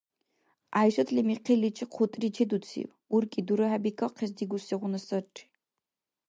ГӀяйшатли михъирличи хъутри чедуциб: уркӀи дурахӀебикахъес дигусигъуна сарри.